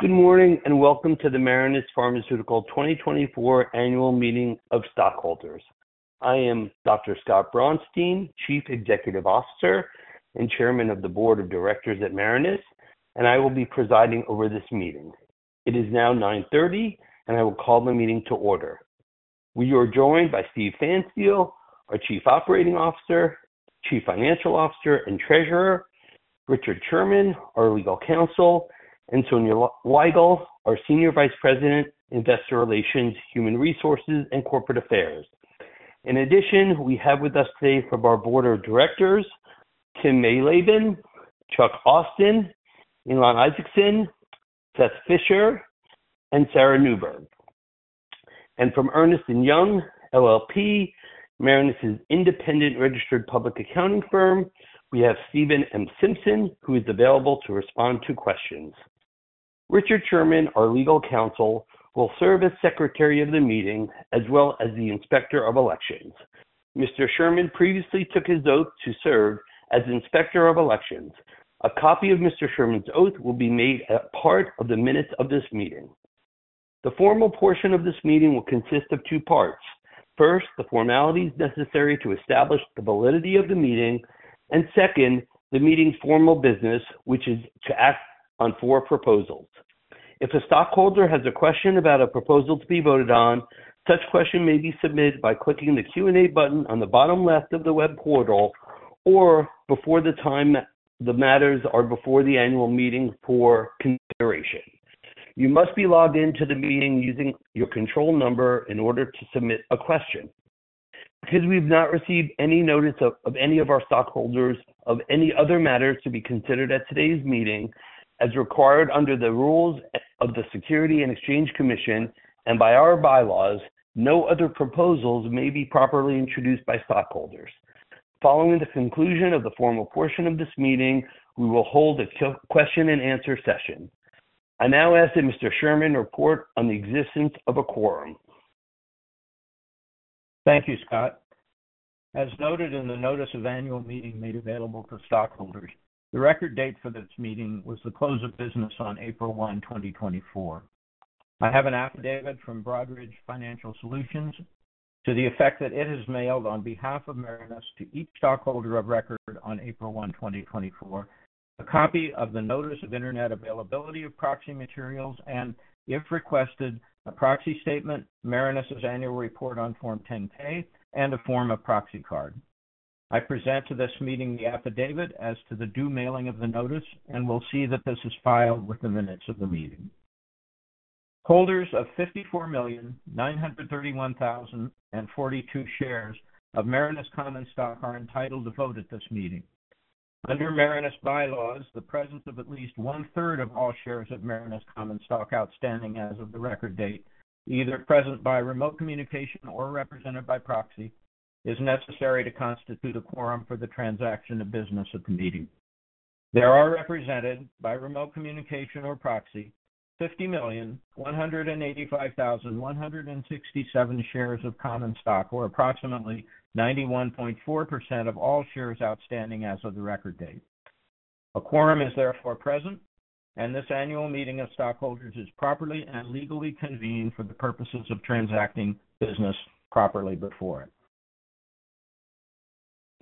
Good morning, and welcome to the Marinus Pharmaceuticals 2024 Annual Meeting of Stockholders. I am Dr. Scott Braunstein, Chief Executive Officer and Chairman of the Board of Directors at Marinus, and I will be presiding over this meeting. It is now 9:30 A.M., and I will call the meeting to order. We are joined by Steve Pfanstiel, our Chief Operating Officer, Chief Financial Officer, and Treasurer, Richard Sherman, our legal counsel, and Sonya Weigle, our Senior Vice President, Investor Relations, Human Resources, and Corporate Affairs. In addition, we have with us today from our Board of Directors, Tim Mayleben, Chuck Austin, Elan Ezickson, Seth Fischer, and Sarah Noonberg. From Ernst & Young LLP, Marinus' independent registered public accounting firm, we have Steven M. Simpson, who is available to respond to questions. Richard Sherman, our legal counsel, will serve as Secretary of the meeting as well as the Inspector of Elections. Mr. Sherman previously took his oath to serve as Inspector of Elections. A copy of Mr. Sherman's oath will be made a part of the minutes of this meeting. The formal portion of this meeting will consist of two parts. First, the formalities necessary to establish the validity of the meeting, and second, the meeting's formal business, which is to act on four proposals. If a stockholder has a question about a proposal to be voted on, such question may be submitted by clicking the Q&A button on the bottom left of the web portal or before the time the matters are before the annual meeting for consideration. You must be logged in to the meeting using your control number in order to submit a question. Because we've not received any notice of any of our stockholders of any other matters to be considered at today's meeting, as required under the rules of the Securities and Exchange Commission and by our bylaws, no other proposals may be properly introduced by stockholders. Following the conclusion of the formal portion of this meeting, we will hold a question-and-answer session. I now ask that Mr. Sherman report on the existence of a quorum. Thank you, Scott. As noted in the notice of annual meeting made available to stockholders, the record date for this meeting was the close of business on April 1, 2024. I have an affidavit from Broadridge Financial Solutions to the effect that it is mailed on behalf of Marinus to each stockholder of record on April 1, 2024, a copy of the notice of internet availability of proxy materials, and if requested, a proxy statement, Marinus' annual report on Form 10-K, and a form of proxy card. I present to this meeting the affidavit as to the due mailing of the notice and will see that this is filed with the minutes of the meeting. Holders of 54,931,042 shares of Marinus common stock are entitled to vote at this meeting. Under Marinus bylaws, the presence of at least one-third of all shares of Marinus common stock outstanding as of the record date, either present by remote communication or represented by proxy, is necessary to constitute a quorum for the transaction of business at the meeting. There are represented, by remote communication or proxy, 50,185,167 shares of common stock, or approximately 91.4% of all shares outstanding as of the record date. A quorum is therefore present, and this annual meeting of stockholders is properly and legally convened for the purposes of transacting business properly before it.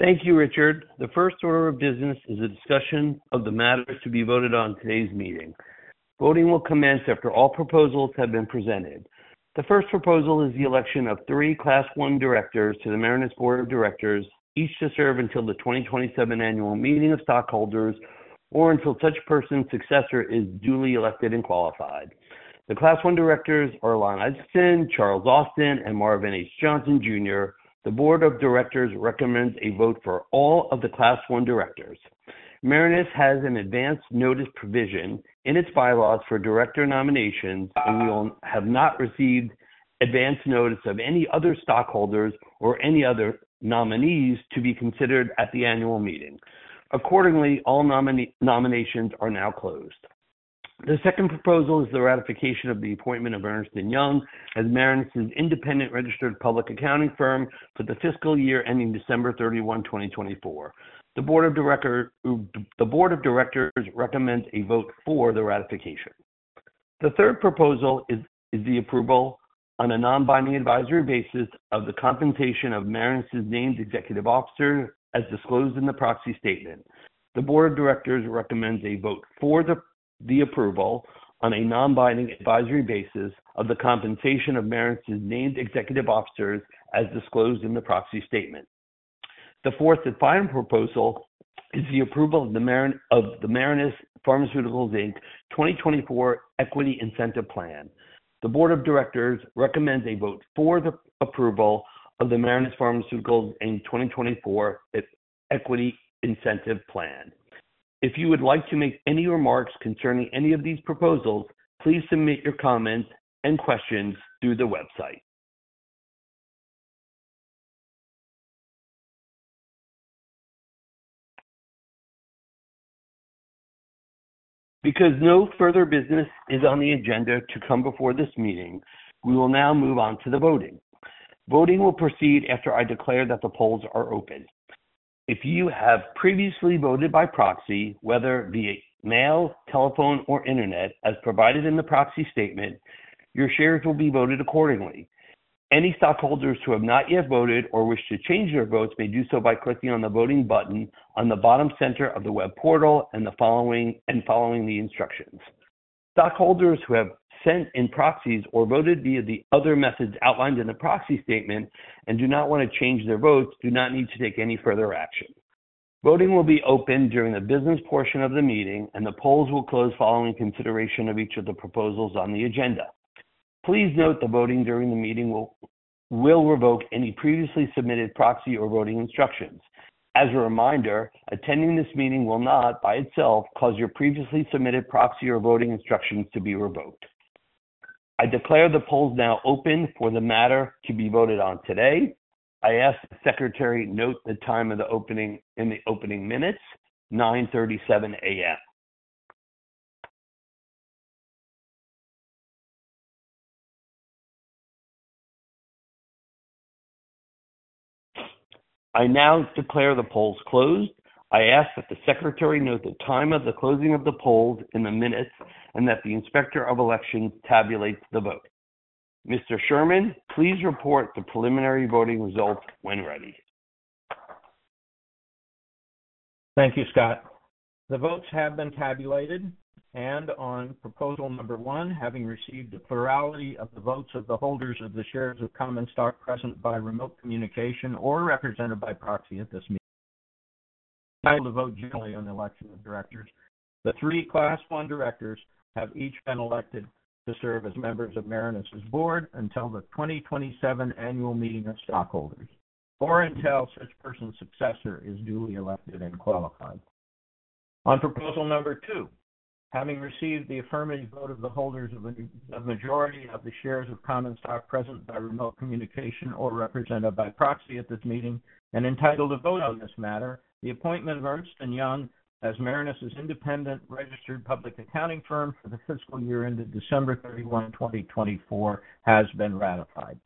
Thank you, Richard. The first order of business is a discussion of the matters to be voted on in today's meeting. Voting will commence after all proposals have been presented. The first proposal is the election of three Class I directors to the Marinus Board of Directors, each to serve until the 2027 Annual Meeting of Stockholders, or until such person's successor is duly elected and qualified. The Class I directors are Elan Ezickson, Charles Austin, and Marvin H. Johnson, Jr. The board of directors recommends a vote for all of the Class I directors. Marinus has an advanced notice provision in its bylaws for director nominations, and we all have not received advanced notice of any other stockholders or any other nominees to be considered at the annual meeting. Accordingly, all nominee nominations are now closed. The second proposal is the ratification of the appointment of Ernst & Young as Marinus' independent registered public accounting firm for the fiscal year ending December 31, 2024. The board of directors recommends a vote for the ratification. The third proposal is the approval on a non-binding advisory basis of the compensation of Marinus' named executive officer, as disclosed in the proxy statement. The board of directors recommends a vote for the approval on a non-binding advisory basis of the compensation of Marinus' named executive officers, as disclosed in the proxy statement. The fourth and final proposal is the approval of the Marinus Pharmaceuticals, Inc. 2024 Equity Incentive Plan. The board of directors recommends a vote for the approval of the Marinus Pharmaceuticals Inc. 2024 Equity Incentive Plan. If you would like to make any remarks concerning any of these proposals, please submit your comments and questions through the website. Because no further business is on the agenda to come before this meeting, we will now move on to the voting. Voting will proceed after I declare that the polls are open. If you have previously voted by proxy, whether via mail, telephone, or internet, as provided in the proxy statement, your shares will be voted accordingly. Any stockholders who have not yet voted or wish to change their votes may do so by clicking on the voting button on the bottom center of the web portal and following the instructions. Stockholders who have sent in proxies or voted via the other methods outlined in the proxy statement and do not want to change their votes, do not need to take any further action. Voting will be open during the business portion of the meeting, and the polls will close following consideration of each of the proposals on the agenda. Please note the voting during the meeting will revoke any previously submitted proxy or voting instructions. As a reminder, attending this meeting will not, by itself, cause your previously submitted proxy or voting instructions to be revoked. I declare the polls now open for the matter to be voted on today. I ask the secretary to note the time of the opening in the opening minutes, 9:37 A.M. I now declare the polls closed. I ask that the secretary note the time of the closing of the polls in the minutes and that the Inspector of Elections tabulates the vote. Mr. Sherman, please report the preliminary voting results when ready. Thank you, Scott. The votes have been tabulated, and on proposal number 1, having received a plurality of the votes of the holders of the shares of common stock present by remote communication or represented by proxy at this meeting, entitled to vote generally on the election of directors. The three Class I directors have each been elected to serve as members of Marinus's board until the 2027 Annual Meeting of Stockholders or until such person's successor is duly elected and qualified. On proposal number 2, having received the affirmative vote of the holders of a majority of the shares of common stock present by remote communication or represented by proxy at this meeting and entitled to vote on this matter, the appointment of Ernst & Young as Marinus's independent registered public accounting firm for the fiscal year ended December 31, 2024, has been ratified.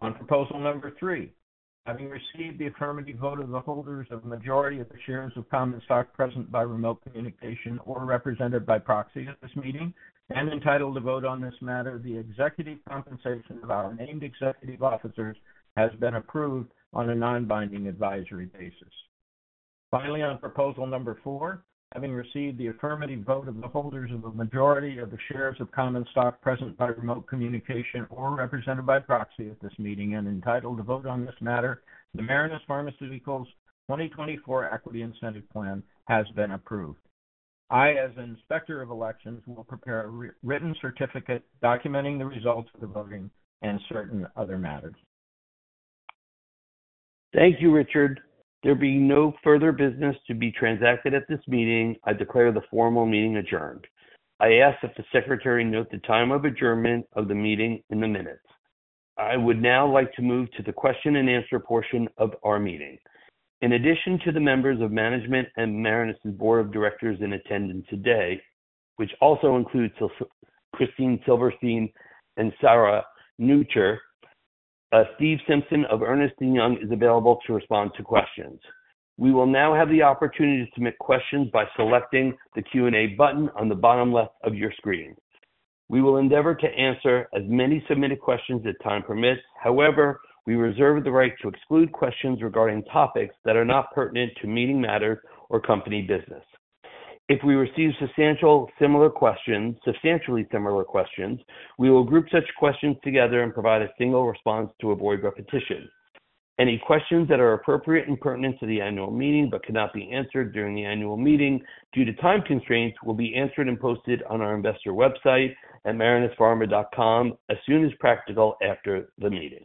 On proposal number three, having received the affirmative vote of the holders of a majority of the shares of common stock present by remote communication or represented by proxy at this meeting and entitled to vote on this matter, the executive compensation of our named executive officers has been approved on a non-binding advisory basis. Finally, on proposal number four, having received the affirmative vote of the holders of a majority of the shares of common stock present by remote communication or represented by proxy at this meeting and entitled to vote on this matter, the Marinus Pharmaceuticals' 2024 Equity Incentive Plan has been approved. I, as an Inspector of Elections, will prepare a rewritten certificate documenting the results of the voting and certain other matters. Thank you, Richard. There being no further business to be transacted at this meeting, I declare the formal meeting adjourned. I ask that the secretary note the time of adjournment of the meeting in the minutes. I would now like to move to the question-and-answer portion of our meeting. In addition to the members of management and Marinus's board of directors in attendance today, which also includes Christine Silverstein and Sarah Noonberg, Steve Simpson of Ernst & Young, is available to respond to questions. We will now have the opportunity to submit questions by selecting the Q&A button on the bottom left of your screen. We will endeavor to answer as many submitted questions as time permits. However, we reserve the right to exclude questions regarding topics that are not pertinent to meeting matters or company business. If we receive substantial similar questions-- substantially similar questions, we will group such questions together and provide a single response to avoid repetition. Any questions that are appropriate and pertinent to the annual meeting but cannot be answered during the annual meeting due to time constraints, will be answered and posted on our investor website at marinuspharma.com as soon as practical after the meeting.